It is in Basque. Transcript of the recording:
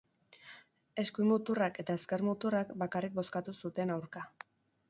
Eskuin muturrak eta ezker muturrak bakarrik bozkatu zuten aurka.